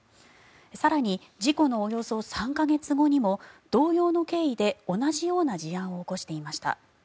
更に事故のおよそ３か月後にも同様の経緯で同じような事案を起こしていました。